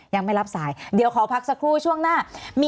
ยังไม่รับสายเดี๋ยวขอพักสักครู่ช่วงหน้า